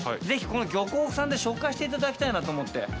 ぜひこの漁港さんで紹介していただきたいなと思って。